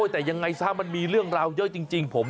แต่ยังไงซะมันมีเรื่องราวเยอะจริงผม